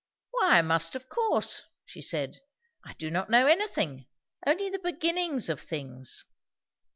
"Why I must of course!" she said. "I do not know anything; only the beginnings of things."